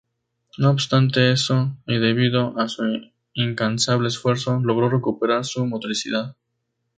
No obstante eso, y debido a su incansable esfuerzo, logró recuperar su motricidad.